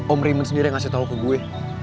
om reman sendiri yang ngasih tau ke gue